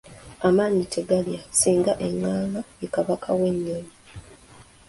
Amaanyi tegalya singa eŋŋaaŋa ye Kabaka w’ennyonyi.